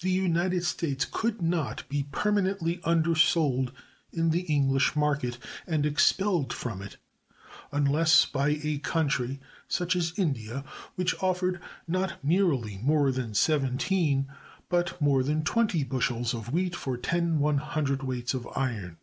The United States could not be permanently undersold in the English market, and expelled from it, unless by a country (such as India) which offered not merely more than seventeen, but more than twenty bushels of wheat for ten cwts. of iron.